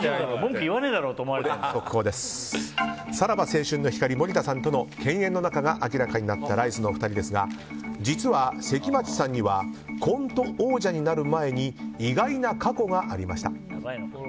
さらば青春の光、森田さんとの犬猿の仲が明らかになったライスのお二人ですが実は、関町さんにはコント王者になる前に意外な過去がありました。